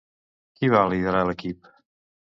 Qui va liderar l'equip?